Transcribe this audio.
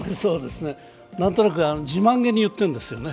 なんとなく自慢げにいっているんですね。